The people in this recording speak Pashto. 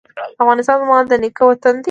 افغانستان زما د نیکه وطن دی؟